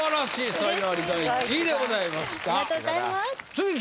才能アリ第１位でございました。